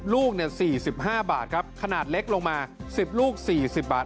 ลูก๔๕บาทครับขนาดเล็กลงมา๑๐ลูก๔๐บาท